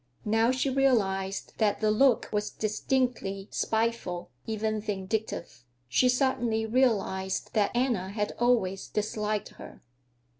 Now she realized that the look was distinctly spiteful, even vindictive. She suddenly realized that Anna had always disliked her.